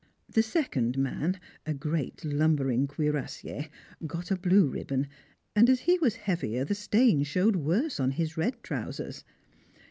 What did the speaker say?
The second man a great lumbering cuirassier got a blue ribbon, and as he was heavier the stain showed worse on his red trousers.